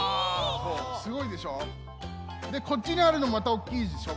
すごいでしょ？でこっちにあるのまたおっきいでしょ？